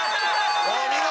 お見事！